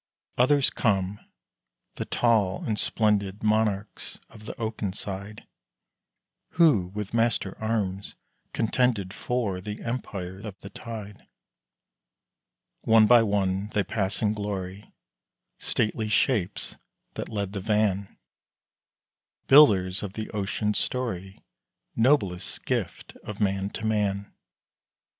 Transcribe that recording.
Others come, the tall and splendid Monarchs of the oaken side, Who, with master arms, contended For the empire of the tide. One by one they pass in glory Stately shapes that led the van Builders of the ocean's story, Noblest gift of man to man.